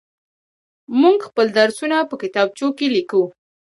موږ خپل درسونه په کتابچو کې ليكو.